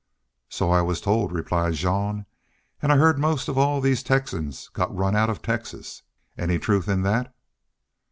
"So I was told," replied Jean. "An' I heard' most all these Texans got run out of Texas. Any truth in that?"